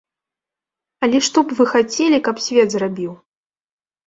Але што б вы хацелі, каб свет зрабіў?